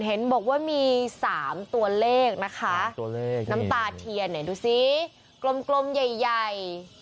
เห็นบอกว่ามี๓ตัวเลขนะคะน้ำตาเทียนเนี่ยดูสิกลมใหญ่